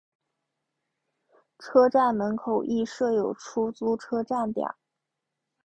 车站门口亦设有出租车站点。